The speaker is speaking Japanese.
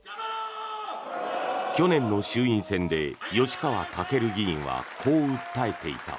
去年の衆院選で吉川赳議員はこう訴えていた。